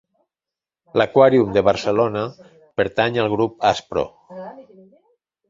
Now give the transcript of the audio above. L'Aquàrium de Barcelona pertany al Grup Aspro.